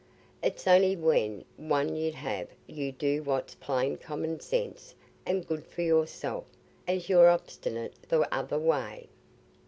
It's only when one 'ud have you do what's plain common sense and good for yourself, as you're obstinate th' other way."